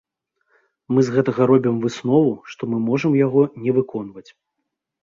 Мы з гэтага робім выснову, што мы можам яго не выконваць.